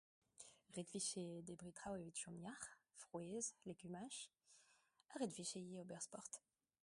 Ret e vije debriñ traoù evit chom yac'h : frouezh, legumaj. Ret e vije ivez ober sport.